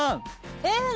えっ？